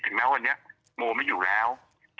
แม้วันนี้โมไม่อยู่แล้ว